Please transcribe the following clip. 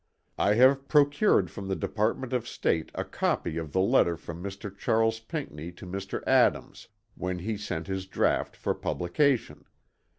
"I have procured from the Department of State a copy of the letter from Mr. Charles Pinckney to Mr. Adams, when he sent his draught for publication.